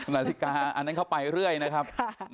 นาฬิกาอันนั้นเข้าไปเรื่อยนะครับ